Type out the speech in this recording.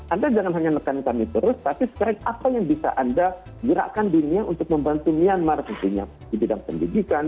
anda jangan hanya nekan kami terus tapi sekarang apa yang bisa anda gerakkan dunia untuk membantu myanmar tentunya di bidang pendidikan